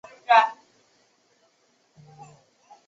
白色四方晶系粉末。